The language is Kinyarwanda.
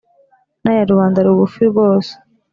n’aya rubanda rugufi rwose,